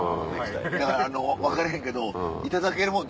だから分かれへんけど頂けるもの